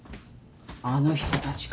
あの人たちか。